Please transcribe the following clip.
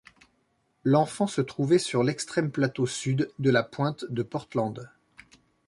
L’enfant se trouvait sur l’extrême plateau sud de la pointe de Portland.